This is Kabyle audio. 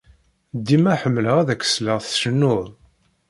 Dima ḥemmleɣ ad ak-sleɣ tcennud.